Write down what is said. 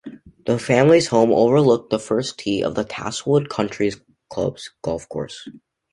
The family's home overlooked the first tee of the Castlewood Country Club's golf course.